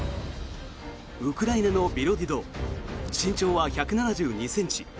ウクライナのビロディド身長は１７２ｃｍ。